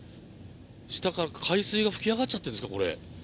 下から海水が噴き上がっちゃってるんですか、これ。